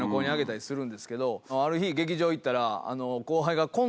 ある日劇場行ったら。